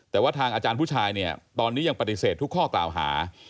แต่ว่าทางอาจารย์ผู้ชายเนี่ยตอนนี้ยังปฏิเสธทุกข้อกล่าวหา